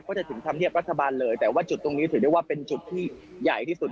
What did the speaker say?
จะถึงธรรมเนียบรัฐบาลเลยแต่ว่าจุดตรงนี้ถือได้ว่าเป็นจุดที่ใหญ่ที่สุด